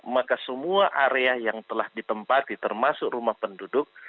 maka semua area yang telah ditempati termasuk rumah penduduk